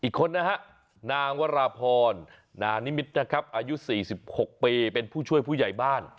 อีกคนนะฮะนางวราพรนานิมิตรนะครับอายุ๔๖ปีเป็นผู้ช่วยผู้ใหญ่บ้าน